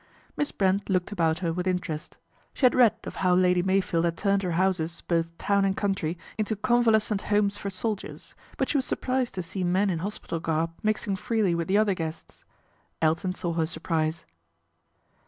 Miss Brent looked about her with interest. She had read of how Lady Meyfield had turned her houses, both town and country, into convalescent homes for soldiers ; but she was surprised to see men in hospital garb mixing freely with the other guests. Elton saw her surprise.